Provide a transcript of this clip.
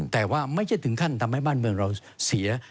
แต่ว่าไม่ใช่ถึงขั้นทำให้บ้านเมืองเราเสีย